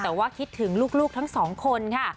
แต่ว่าคิดถึงลูกทั้งสองคนค่ะ